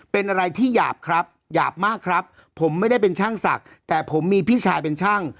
เป็นอะไรที่หยาบครับหยาบมากครับผมไม่ได้เป็นช่างศักดิ์แต่ผมมีพี่ชายเป็นช่าง